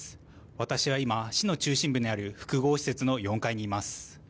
私は今、市の中心部にある複合施設の４階にいます。